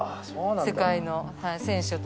世界の選手が。